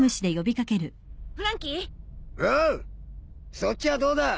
そっちはどうだ？